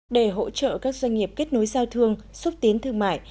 để hỗ trợ các doanh nghiệp kết nối giao thương xúc tiến thương mại